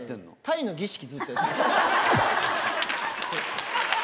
タイの儀式ずっと。